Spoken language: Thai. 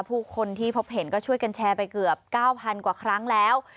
ผู้คนที่พบเห็นก็ช่วยกันแชร์ไปเกือบ๙๐๐กว่าครั้งแล้ว